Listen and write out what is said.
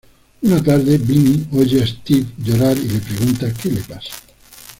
Una tarde, Vinny oye a Stewie llorar y le pregunta que le pasa.